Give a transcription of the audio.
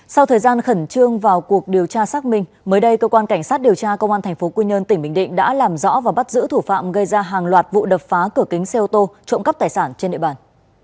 sau thời gian khẩn trương vào cuộc điều tra xác minh mới đây cơ quan cảnh sát điều tra công an tp quy nhơn tỉnh bình định đã làm rõ và bắt giữ thủ phạm gây ra hàng loạt vụ đập phá cửa kính xe ô tô trộm cắp tài sản trên địa bàn